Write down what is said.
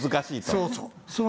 そうそう。